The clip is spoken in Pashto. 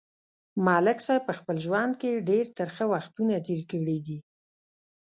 ملک صاحب په خپل ژوند کې ډېر ترخه وختونه تېر کړي دي.